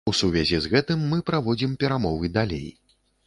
У сувязі з гэтым мы праводзім перамовы далей.